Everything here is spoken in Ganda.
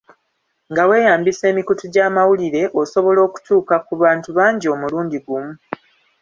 Nga weeyambisa emikutu gy'amawulire, osobola okutuuka ku bantu bangi omulundi gumu.